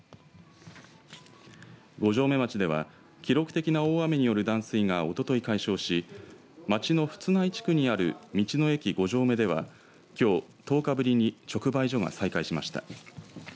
五城目町では記録的な大雨による断水がおととい解消し町の富津内地区にある道の駅五城目ではきょう１０日ぶりに直売所が再開しました。